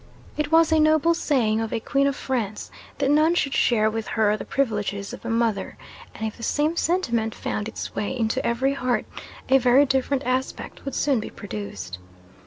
It was a noble saying of a queen of France, "that none should share with her the privileges of a mother;" and if the same sentiment found its way into every heart, a very different aspect would soon be produced.